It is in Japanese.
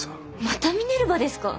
またミネルヴァですか！？